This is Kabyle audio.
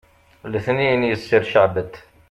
letniyen yesser ceɛbet